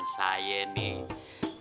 baik cing nela